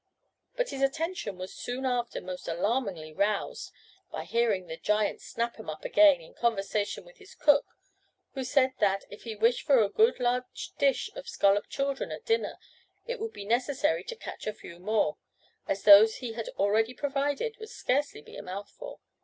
But his attention was soon after most alarmingly roused by hearing the giant Snap 'em up again in conversation with his cook, who said that, if he wished for a good large dish of scolloped children at dinner, it would be necessary to catch a few more, as those he had already provided would scarcely be a mouthful.